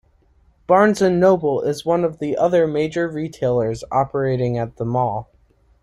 Barnes & Noble is one of the other major retailers operating at the mall.